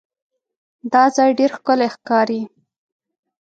دا ځای ډېر ښکلی ښکاري.